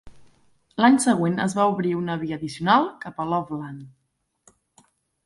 L'any següent es va obrir una via addicional cap a Loveland.